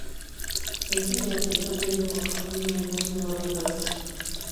Ez dinat ezer gehiago jakin nahi kontu horretaz.